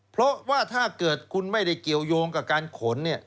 เพราะว่าถ้าเกิดคุณไม่ได้เกี่ยวยงกับการขนเนี่ย